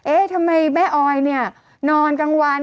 ทำไมแม่ออยเนี่ยนอนกลางวัน